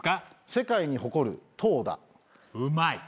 世界に誇る「とうだ」うまい。